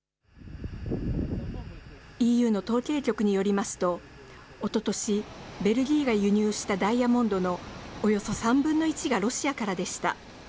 ＥＵの統計局によりますと、おととし、ベルギーが輸入したダイヤモンドのおよそ３分の１がロシアからでした。